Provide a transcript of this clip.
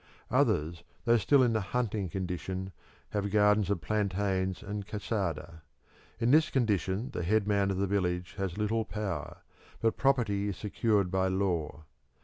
Others, though still in the hunting condition, have gardens of plantains and cassada. In this condition the headman of the village has little power, but property is secured by law.